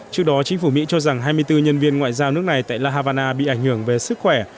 trước đó chính phủ mỹ cho rằng hai mươi bốn nhân viên ngoại giao nước này tại la habana bị ảnh hưởng về sức khỏe